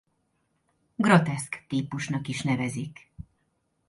Groteszk típusnak is nevezik.